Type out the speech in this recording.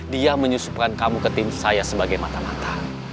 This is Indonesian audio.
dia menyusupkan kamu ke tim saya sebagai mata mata